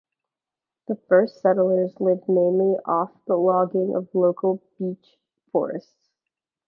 The first settlers lived mainly off the logging of local beech forests.